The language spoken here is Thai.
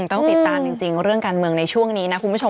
ต้องติดตามจริงเรื่องการเมืองในช่วงนี้นะคุณผู้ชม